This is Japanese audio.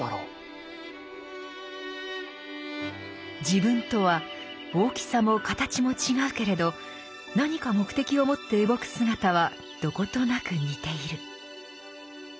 自分とは大きさも形も違うけれど何か目的をもって動く姿はどことなく似ている。